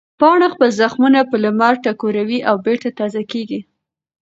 پاڼه خپل زخمونه په لمر ټکوروي او بېرته تازه کېږي.